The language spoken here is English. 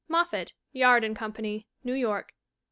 Moffat, Yard & Company, New York.